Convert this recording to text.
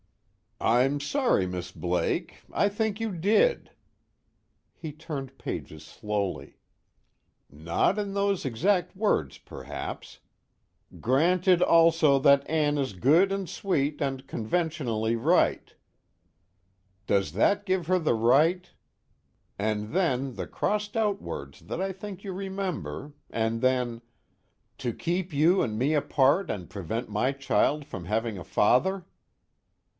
"I'm sorry, Miss Blake, I think you did." He turned pages slowly. "Not in those exact words perhaps. 'Granted also that Ann is good and sweet and conventionally right. Does that give her the right ' and then the crossed out words that I think you remember, and then 'to keep you and me apart and prevent my child from having a father?'